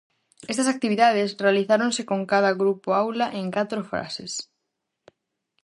Estas actividades realizáronse con cada grupo-aula en catro fases: